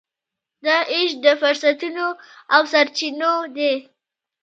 دا وېش د فرصتونو او سرچینو دی.